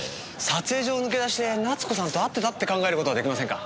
撮影所を抜け出して奈津子さんと会ってたって考えることはできませんか？